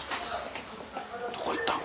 どこ行ったん？